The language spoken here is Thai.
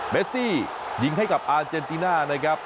เซซี่ยิงให้กับอาเจนติน่านะครับ